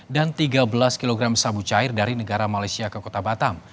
dan tiga belas kg sabu cair dari negara malaysia ke kota batam